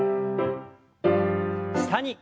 下に。